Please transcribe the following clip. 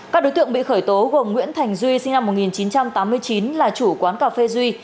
các đối tượng bị khởi tố gồm nguyễn thành duy sinh năm một nghìn chín trăm tám mươi chín là chủ quán cà phê duy